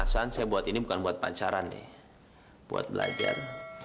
perasaan saya buat ini bukan buat pacaran nih buat belajar